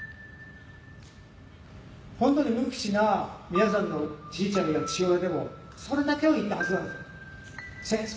本当に無口な皆さんのじいちゃんや父親でもそれだけは言ったはずなんです。